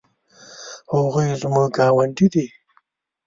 هغوی زموږ ګاونډي دي